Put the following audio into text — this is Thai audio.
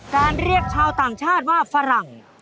เรียกชาวต่างชาติว่าฝรั่ง